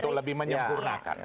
untuk lebih menyempurnakan